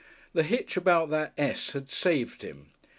The hitch about that "s" had saved him.